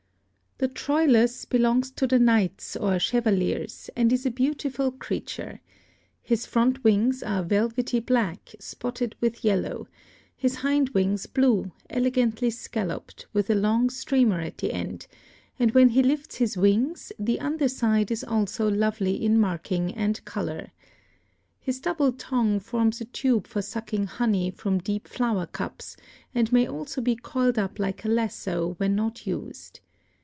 The Troilus belongs to the knights or chevaliers, and is a beautiful creature. His front wings are velvety black, spotted with yellow; his hind wings blue, elegantly scalloped, with a long streamer at the end, and when he lifts his wings, the under side is also lovely in marking and color. His double tongue forms a tube for sucking honey from deep flower cups, and may also be coiled up like a lasso when not used.